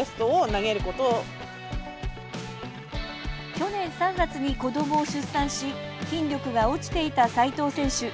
去年３月に子どもを出産し筋力が落ちていた齋藤選手。